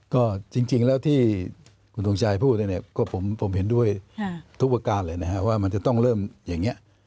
ก็จริงแล้วที่คุณทงชัยพูดเนี่ยก็ผมเห็นด้วยทุกประการเลยนะฮะว่ามันจะต้องเริ่มอย่างนี้